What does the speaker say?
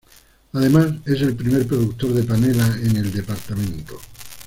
Además es el primer productor de panela en el departamento.